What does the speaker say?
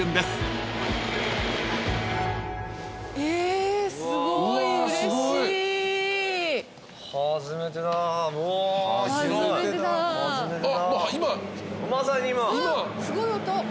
すごい音。